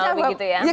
kurang lebih gitu ya